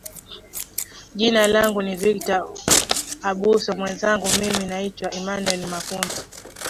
jina langu ni victor abuso mwezangu mimi naitwa emanuel makundi